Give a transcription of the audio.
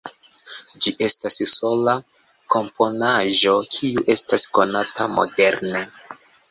Ĝi estas sola komponaĵo kiu estas konata moderne.